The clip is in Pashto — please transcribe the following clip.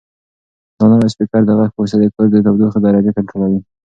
دا نوی سپیکر د غږ په واسطه د کور د تودوخې درجه کنټرولوي.